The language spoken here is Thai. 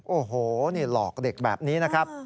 โอ้โหนี่หลอกเด็กแบบนี้นะครับ